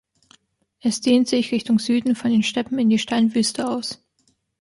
Es dehnt sich Richtung Süden von den Steppen in die Steinwüste aus.